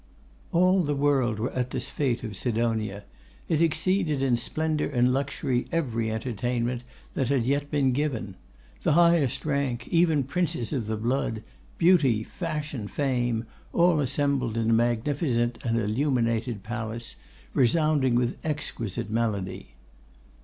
All the world were at this fête of Sidonia. It exceeded in splendour and luxury every entertainment that had yet been given. The highest rank, even Princes of the blood, beauty, fashion, fame, all assembled in a magnificent and illuminated palace, resounding with exquisite melody.